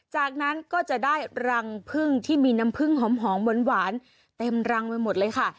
จากนั้นก็จะได้รังพึ่งที่มีน้ำผึ้งหอมหวานเต็มรังไปหมดเลยค่ะ